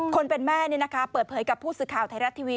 คนเป็นแม่เปิดเผยกับผู้สื่อข่าวไทยรัฐทีวี